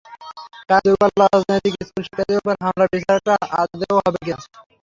কারণ দুর্বল অরাজনৈতিক স্কুল শিক্ষার্থীদের ওপর হামলার বিচার আদৌ হবে কিনা।